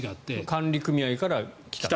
管理組合から来たと。